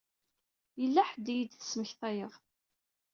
Yella ḥedd i yi-d-tesmektayeḍ.